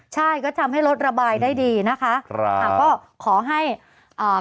ใช่ก็ทำให้รถระบายได้ดีนะคะครับอ่าก็ขอให้อ่า